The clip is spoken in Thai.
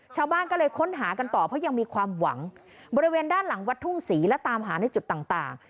ชาวบ้านก็เลยค้นหากันต่อเพราะยังมีความหวังบริเวณด้านหลังวัดทุ่งศรีและตามหาในจุดต่างต่าง